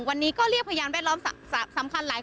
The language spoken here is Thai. วันนี้ก็เรียกพยานแวดล้อมสำคัญหลายคน